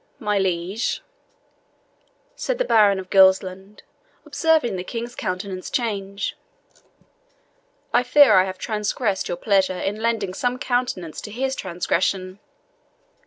"My liege," said the Baron of Gilsland, observing the King's countenance change, "I fear I have transgressed your pleasure in lending some countenance to his transgression."